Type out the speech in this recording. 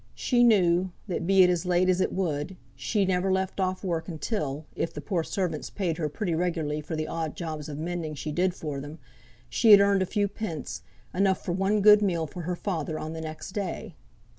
She knew, that be it as late as it would, she never left off work until (if the poor servants paid her pretty regularly for the odd jobs of mending she did for them) she had earned a few pence, enough for one good meal for her father on the next day.